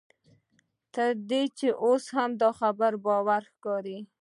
تر دې چې اوس دا خبره باوري ښکاري.